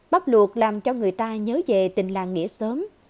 bắp luộc làm cho người ta nhớ về tình làng nghĩa sớm